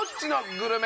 グルメ！